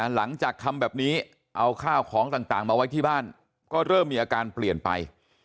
หลังจากทำแบบนี้เอาข้าวของต่างมาไว้ที่บ้านก็เริ่มมีอาการเปลี่ยนไป